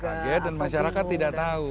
kaget dan masyarakat tidak tahu